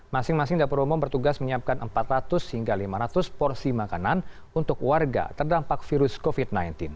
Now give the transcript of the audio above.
masing masing dapur umum bertugas menyiapkan empat ratus hingga lima ratus porsi makanan untuk warga terdampak virus covid sembilan belas